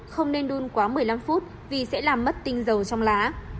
không nên đun quá một mươi năm phút vì sẽ làm mất tinh dầu trong lá